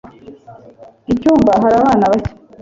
Icyumba hari abana bake.